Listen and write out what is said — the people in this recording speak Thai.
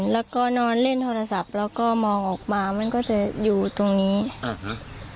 แล้วก็นอนเล่นโทรศัพท์แล้วก็มองออกมามันก็จะอยู่ตรงนี้อ่าฮะ